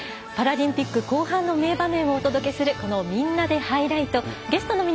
パラリンピック後半の名場面をお届けするこの「みんなでハイライト」。